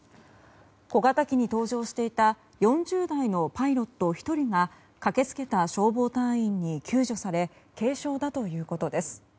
小型機に搭乗していた４０代のパイロット１人が駆け付けた消防隊員に救助され軽傷だということです。